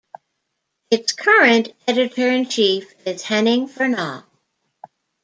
Its current editor-in-chief is Henning Fernau.